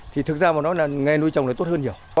thì thực ra mà nói là nghe nuôi trồng nó tốt hơn nhiều